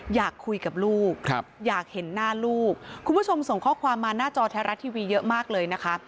อยากคุยกับลูกอยากเห็นหน้าลูกคุณผู้ชมส่งข้อความมาหน้าจอแท้รัฐทีวีเยอะมากเลยนะคะ